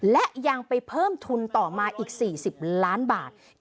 และยังไปเพิ่มทุนต่อมาอีก๔๐ล้านบาท